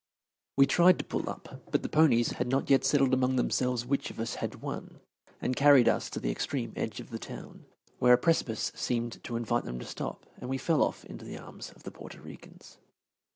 We tried to pull up, but the ponies had not yet settled among themselves which of us had won, and carried us to the extreme edge of the town, where a precipice seemed to invite them to stop, and we fell off into the arms of the Porto Ricans.